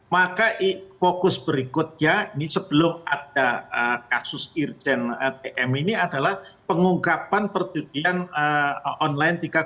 maka fokus berikutnya ini sebelum ada kasus irjen pm ini adalah pengunggapan perjudian online tiga ratus tiga